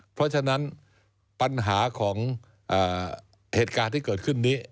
เพราะฉะนั้นปัญหาของเหตุการณ์ที่เกิดขึ้นนี้